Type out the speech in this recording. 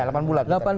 itu delapan bulan mas